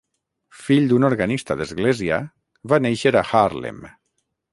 Fill d'un organista d'església, va néixer a Haarlem.